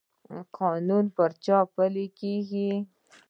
قانون پر چا پلی کیږي؟